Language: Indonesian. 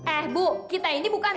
eh bu kita ini bukan